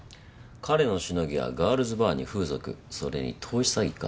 彼のしのぎはガールズバーに風俗それに投資詐欺か。